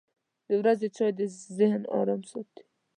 • د ورځې چای د ذهن ارام ساتي.